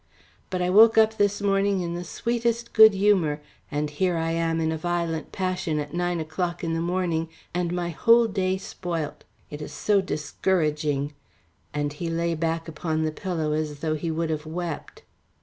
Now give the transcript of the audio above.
But I woke up this morning in the sweetest good humour, and here am I in a violent passion at nine o'clock in the morning, and my whole day spoilt. It is so discouraging," and he lay back upon the pillow as though he would have wept.